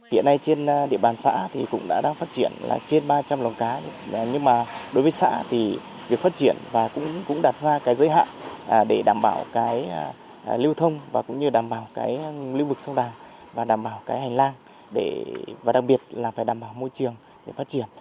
hiện nay trên địa bàn xã thì cũng đã đang phát triển là trên ba trăm linh lồng cá nhưng mà đối với xã thì việc phát triển và cũng đặt ra cái giới hạn để đảm bảo cái lưu thông và cũng như đảm bảo cái lưu vực sông đà và đảm bảo cái hành lang và đặc biệt là phải đảm bảo môi trường để phát triển